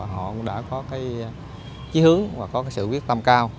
họ cũng đã có chí hướng và có sự quyết tâm cao